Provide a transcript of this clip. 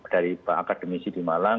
dari akademisi di malang